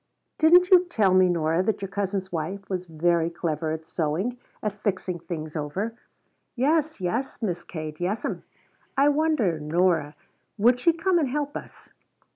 "Didn't you tell me, Nora, that your cousin's wife was very clever at sewing at fixing things over?" "Yes, yes, Miss Kate yes'm." "I wonder, Nora, would she come and help us?"